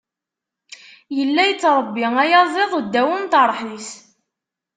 Yella yettṛebbi ayaziḍ ddaw umeṭreḥ-is.